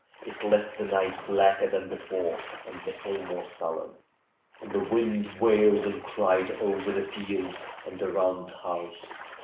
It left the night blacker than before, and the hill more sullen. The wind wailed and cried over the fields and around the house.